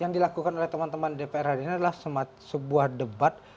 yang dilakukan oleh teman teman dpr hari ini adalah sebuah debat